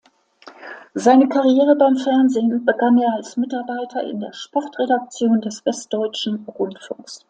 Seine Karriere beim Fernsehen begann er als Mitarbeiter in der Sportredaktion des Westdeutschen Rundfunks.